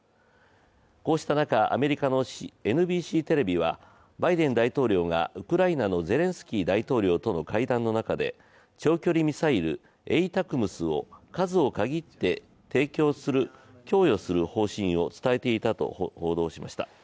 こうした中、アメリカのＮＢＣテレビはバイデン大統領がウクライナのゼレンスキー大統領との会談の中で長距離ミサイルＡＴＡＣＭＳを数を限って供与する方針を伝えていたと報道しました。